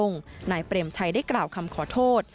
นายเปรมชัยได้กล่าวคำขอโทษ